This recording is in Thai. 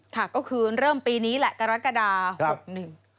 ค่ะก็คือเริ่มปีนี้แหละกรกฎาหกหนึ่ง